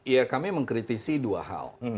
ya kami mengkritisi dua hal